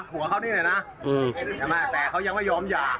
ผัวเขานี่หน่อยนะแต่เขายังไม่ยอมหย่า